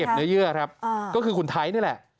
เนื้อเยื่อครับก็คือคุณไทยนี่แหละ